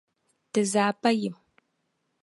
Ti zaaha pa yim.